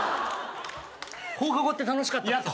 放課後って楽しかったっすよね。